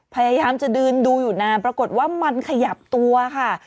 พยายามจะเดินดูอยู่นานปรากฏว่ามันขยับตัวค่ะ